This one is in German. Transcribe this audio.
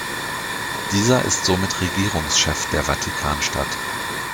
Dieser ist somit Regierungschef der Vatikanstadt.